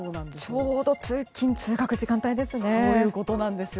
ちょうど通勤・通学時間帯ですね。